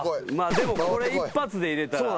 でも一発で入れたら。